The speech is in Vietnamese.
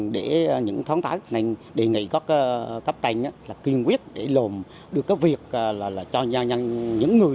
để những tháng tái này đề nghị các cấp tranh kiên quyết để lồn được cái việc là cho những người